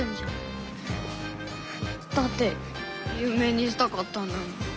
だってゆう名にしたかったんだもん。